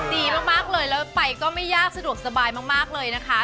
ดีมากเลยแล้วไปก็ไม่ยากสะดวกสบายมากเลยนะคะ